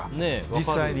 実際に。